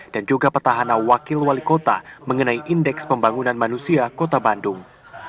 dan juga petahana wakil wali kota mengenai indeks pembangunan manusia kota bandung